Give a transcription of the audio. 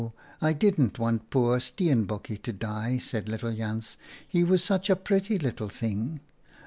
I didrit want poor Steenbokje to die," said little Jan. " He was such a pretty little thing.